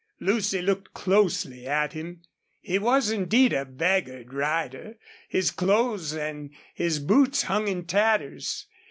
Lucy looked closely at him. He was indeed a beggared rider. His clothes and his boots hung in tatters.